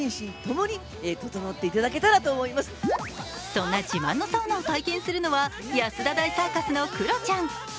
そんな自慢のサウナを体験するのは安田大サーカスのクロちゃん。